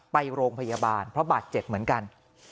ไปโรงพยาบาลเพราะบาดเจ็บเหมือนกัน